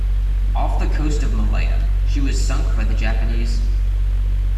Off the coast of Malaya, she was sunk by the Japanese.